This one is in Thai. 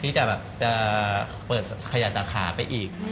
ที่จะแบบจะเปิดขยะจากขาไปอีก